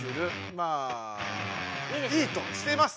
まあいいとしています